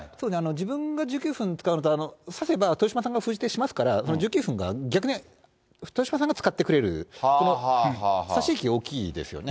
自分が１９分使うのと、指せば豊島さんが封じ手しますから、その１９分が、逆に豊島さんが使ってくれる、この差し引きは大きいですよね。